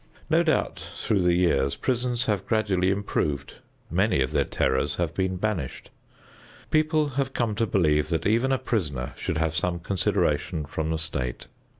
No doubt through the years prisons have been gradually improved. Many of their terrors have been banished. People have come to believe that even a prisoner should have some consideration from the state.